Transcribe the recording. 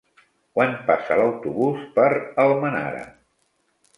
Quan passa l'autobús per Almenara?